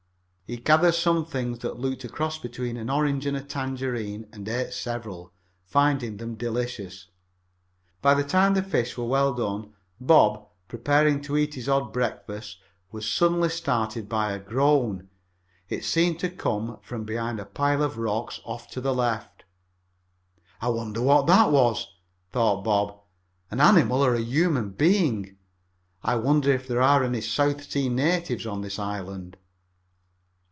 He gathered some things that looked a cross between an orange and a tangerine and ate several, finding them delicious. By the time the fish were well done Bob, preparing to eat his odd breakfast, was suddenly startled by a groan. It seemed to come from behind a pile of rocks off to the left. "I wonder what that was?" thought Bob. "An animal or a human being? I wonder if there are any South Sea natives on this island?"